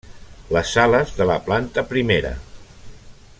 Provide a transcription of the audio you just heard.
Les sales de la planta primera.